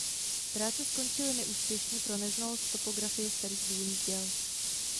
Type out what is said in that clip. Práce skončily neúspěšně pro neznalost topografie starých důlních děl.